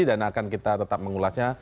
dan akan kita tetap mengulasnya